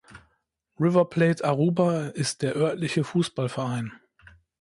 River Plate Aruba ist der örtliche Fußballverein.